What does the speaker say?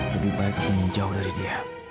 lebih baik ingin jauh dari dia